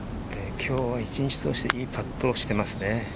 今日一日通して、いいパットをしています。